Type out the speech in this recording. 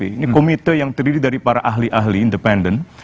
ini komite yang terdiri dari para ahli ahli independen